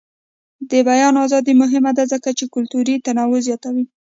د بیان ازادي مهمه ده ځکه چې کلتوري تنوع زیاتوي.